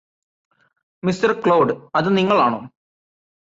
mister Claude അത് നിങ്ങളാണോ